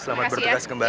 selamat bertugas kembali